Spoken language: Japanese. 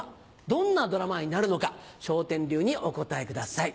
どんなドラマになるのか笑点流にお答えください。